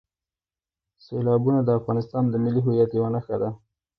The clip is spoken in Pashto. سیلابونه د افغانستان د ملي هویت یوه نښه ده.